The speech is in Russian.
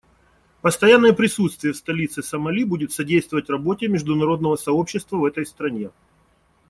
Постоянное присутствие в столице Сомали будет содействовать работе международного сообщества в этой стране.